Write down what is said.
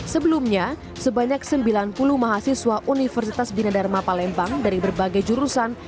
sebelumnya sebanyak sembilan puluh mahasiswa universitas bina dharma palembang dari berbagai jurusan